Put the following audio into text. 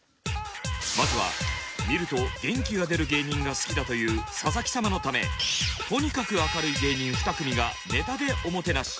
まずは見ると元気が出る芸人が好きだという佐々木様のためとにかく明るい芸人ふた組がネタでおもてなし。